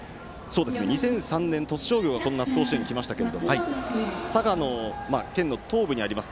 ２００３年、鳥栖商業がこの夏の甲子園に来ましたけども佐賀県の東部にあります